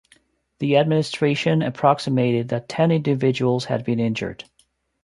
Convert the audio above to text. The administration approximated that ten individuals had been injured.